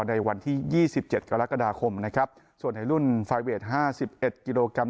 ในวันที่๒๗กรกฎาคมนะครับส่วนในรุ่นไฟเวท๕๑กิโลกรัม